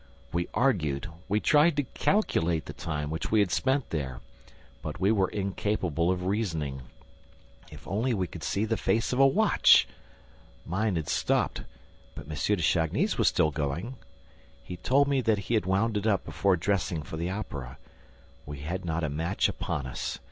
We argued, we tried to calculate the time which we had spent there, but we were incapable of reasoning. If only we could see the face of a watch! ... Mine had stopped, but M. de Chagny's was still going ... He told me that he had wound it up before dressing for the Opera ... We had not a match upon us